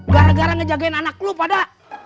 gara gara ngejagain anak lo pada